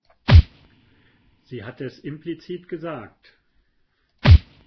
Sie hat es implizit gesagt.